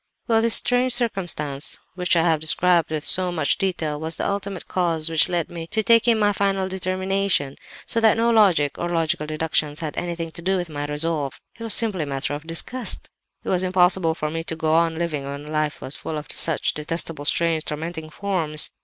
"Well, this strange circumstance—which I have described with so much detail—was the ultimate cause which led me to taking my final determination. So that no logic, or logical deductions, had anything to do with my resolve;—it was simply a matter of disgust. "It was impossible for me to go on living when life was full of such detestable, strange, tormenting forms.